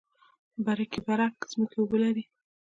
برکي برک ځمکې اوبه لري؟